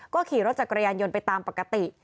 ก็ขี่รถจักรยานยนต์ไปตามปกติ